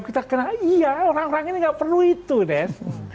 kita kenal iya orang orang ini nggak perlu itu des